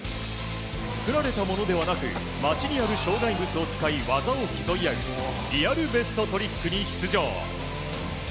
作られたものではなく街にある障害物を使い技を競い合うリアルベストトリックに出場。